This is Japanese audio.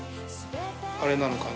あれなのかな